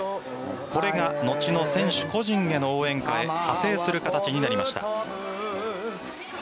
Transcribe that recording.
これが、後の選手個人への応援歌へ派生する形になりました。